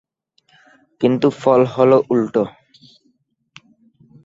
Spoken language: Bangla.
কিন্তু ফল হলো উল্টো।